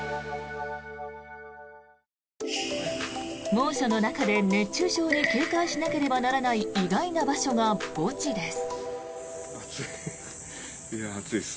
猛暑の中で熱中症に警戒しなければならない意外な場所が墓地です。